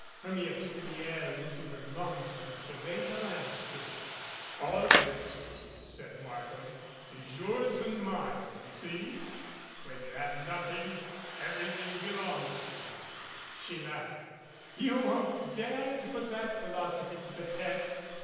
Hermia took the air into her lungs, and surveyed the landscape. "All this," said Markham, "is yours and mine you see, when you have nothing, everything belongs to you." She laughed. "You won't dare to put that philosophy to the test.